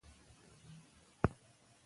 موږ باید د نوي نسل لپاره زمینه برابره کړو.